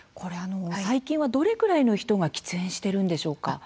最近は、どれぐらいの人が喫煙しているのでしょうか。